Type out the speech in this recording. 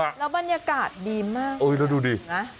แล้วบรรยากาศดีมากแล้วดูดิ